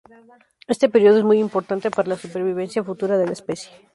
Este período es muy importante para la supervivencia futura de la especie.